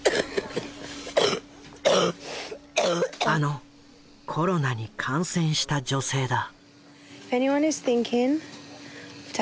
あのコロナに感染した女性だ。